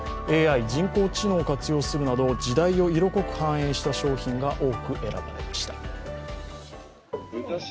ＡＩ＝人工知能を活用するなど時代を色濃く反映した商品が多く選ばれました。